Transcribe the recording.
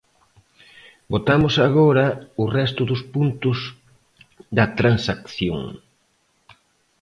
Votamos agora o resto dos puntos da transacción.